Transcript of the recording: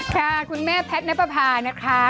ค่ะคุณแม่แพทนับภานะคะ